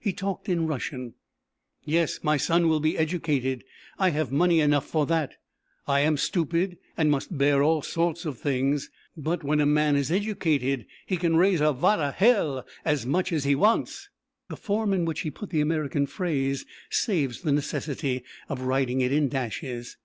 He talked in Russian: "Yes, my son will be educated. I have money enough for that. I am stupid and must bear all sorts of things, but when a man is educated, he can raisovat helle as much as he wants." The form in which he put the American phrase saves the necessity of writing it in dashes.